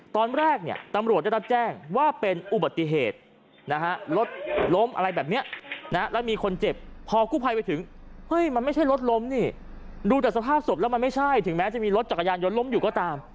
ตอนแรกเนี่ยตำรวจได้รับแจ้งว่าเป็นอุบัติเหตุนะฮะรถล้มอะไรแบบนี้นะแล้วมีคนเจ็บพอกู้ภัยไปถึงเฮ้ยมันไม่ใช่รถล้มนี่ดูแต่สภาพศพแล้วมันไม่ใช่ถึงแม้จะมีรถจักรยานยนต์ล้มอยู่ก็ตาม